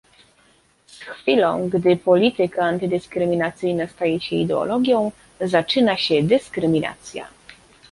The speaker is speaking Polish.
z chwilą gdy polityka antydyskryminacyjna staje się ideologią, zaczyna się dyskryminacja